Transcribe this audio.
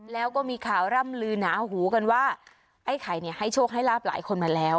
แล้วก็มีข่าวร่ำลือหนาหูกันว่าไอ้ไข่เนี่ยให้โชคให้ลาบหลายคนมาแล้ว